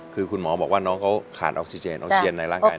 คือคุณหมอบอกว่าน้องเขาขาดออกซิเจนออกเชียนในร่างกาย